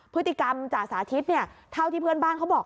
พฤติกรรมจ่าสาธิตเท่าที่เพื่อนบ้านเขาบอก